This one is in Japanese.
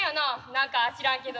何か知らんけど。